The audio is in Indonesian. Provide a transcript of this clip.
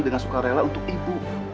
dengan sukarela untuk ibu